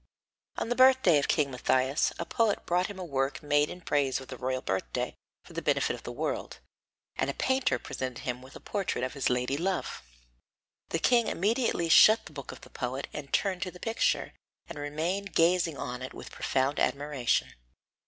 On the birthday of King Matthias, a poet brought him a work made in praise of the royal birthday for the benefit of the world, and a painter presented him with a portrait of his lady love. The king immediately shut the book of the poet and turned to the picture, and remained gazing on it with profound admiration.